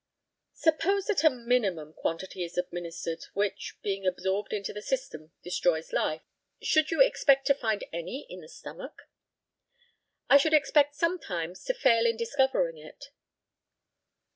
Suppose that a minimum quantity is administered, which, being absorbed into the system, destroys life, should you expect to find any in the stomach? I should expect sometimes to fail in discovering it.